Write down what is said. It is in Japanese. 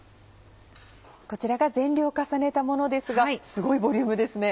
こちらが全量を重ねたものですがすごいボリュームですね。